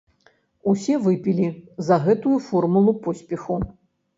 Усе выпілі за гэтую формулу поспеху.